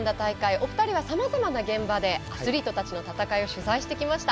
お二人はさまざまな現場でアスリートたちの戦いを取材してきました。